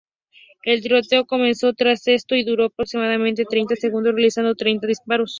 El tiroteo comenzó tras esto y duró aproximadamente treinta segundos, realizándose treinta disparos.